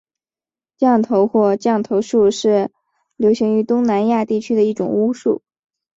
降头或降头术是流行于东南亚地区的一种巫术。